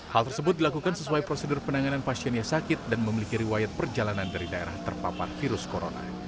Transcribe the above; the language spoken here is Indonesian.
hal tersebut dilakukan sesuai prosedur penanganan pasien yang sakit dan memiliki riwayat perjalanan dari daerah terpapar virus corona